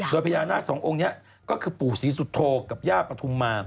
โดยพญานาคสององค์นี้ก็คือปู่ศรีสุโธกับย่าปฐุมมา